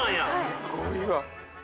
◆すごいわ。